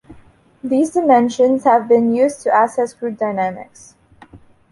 These dimensions have been used to assess group dynamics.